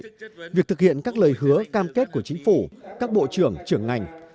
các thành viên chính phủ sẽ đồng thời chất vấn các lời hứa cam kết của chính phủ các bộ trưởng trưởng ngành